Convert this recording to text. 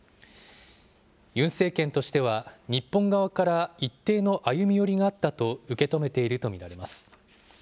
ユン政権としては日本側から一定の歩み寄りがあったと受け止めていると見られます。